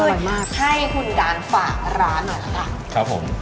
ดูเลยให้คุณกานฝากร้านหน่อยนะคะ